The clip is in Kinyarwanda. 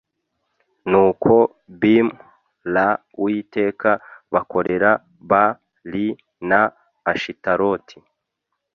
nuko bim ra uwiteka bakorera b li na ashitaroti